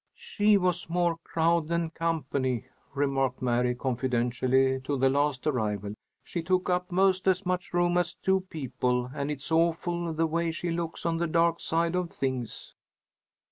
"She was more crowd than company," remarked Mary confidentially to the last arrival. "She took up most as much room as two people, and it's awful the way she looks on the dark side of things."